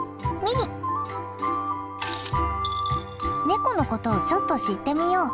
ネコのことをちょっと知ってみよう。